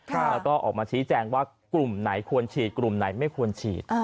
แล้วก็ออกมาชี้แจงว่ากลุ่มไหนควรฉีดกลุ่มไหนไม่ควรฉีด